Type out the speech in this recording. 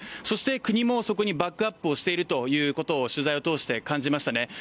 そして国もバックアップしているということを取材を通して感じましたね。